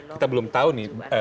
kita belum tahu nih